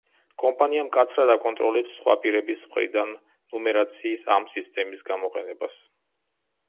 კომპანია მკაცრად აკონტროლებს სხვა პირების მხრიდან ნუმერაციის ამ სისტემის გამოყენებას.